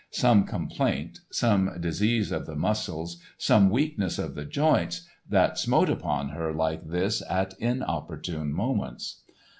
Some complaint, some disease of the muscles, some weakness of the joints, that smote upon her like this at inopportune moments.